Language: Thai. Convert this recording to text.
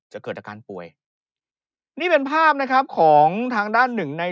จะเกิดอาการป่วยนี่เป็นภาพนะครับของทางด้านหนึ่งใน